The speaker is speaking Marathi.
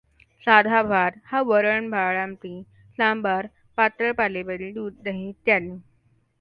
साधा भात हा वरण डाळ आमटी, सांबार, पातळ पालेभाजी, दूध, दही इ.